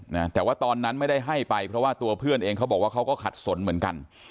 นะแต่ว่าตอนนั้นไม่ได้ให้ไปเพราะว่าตัวเพื่อนเองเขาบอกว่าเขาก็ขัดสนเหมือนกัน